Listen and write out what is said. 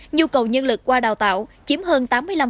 nhu cầu nhân lực qua đào tạo chiếm hơn tám mươi năm